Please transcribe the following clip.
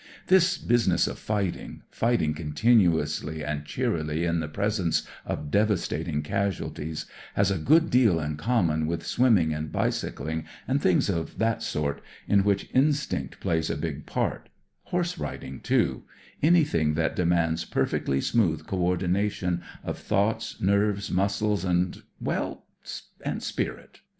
"This business of fighting— fighting continuously and cheerily in the presence of devastating casualties— has a good deal in common with swimming and bicycling and things of that sort in which instinct plays a big part ; horse riding, too ; any thing that demands perfectly smooth co ordination of thoughts, nerves, muscles, and— well, and spirit.